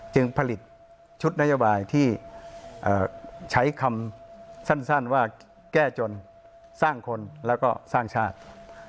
จึงผลิตชุดนโยบายที่ใช้คำสั้นว่าแก้จนสร้างคนแล้วก็สร้างชาติ